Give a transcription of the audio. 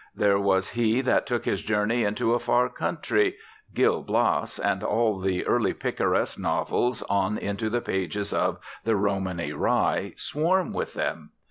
There was he that took his journey into a far country. "Gil Blas" and all the early picaresque novels on into the pages of "The Romany Rye" swarm with them.